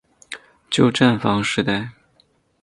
旧站房时代。